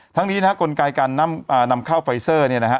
ทั้งนี้นะฮะกลไกการนำเข้าไฟเซอร์เนี่ยนะฮะ